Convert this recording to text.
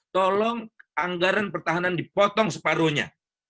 tolong anggaran pertahanan dipotong separuhnya